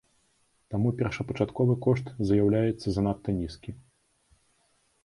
Таму першапачатковы кошт заяўляецца занадта нізкі.